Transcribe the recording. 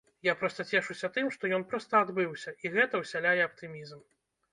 Я проста цешуся тым, што ён проста адбыўся, і гэта ўсяляе аптымізм.